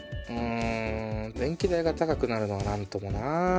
電気代が高くなるのはなんともなぁ。